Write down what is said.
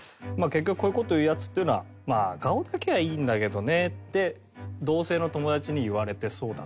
結局こういう事を言うヤツっていうのは「まあ顔だけはいいんだけどね」って同性の友達に言われてそうだなと思って。